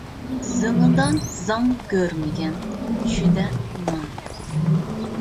زېڭىدا زاڭ كۆرمىگەن، چۈشىدە نان.